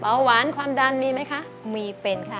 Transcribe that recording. หวานความดันมีไหมคะมีเป็นค่ะ